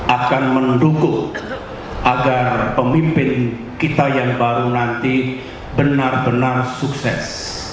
akan mendukung agar pemimpin kita yang baru nanti benar benar sukses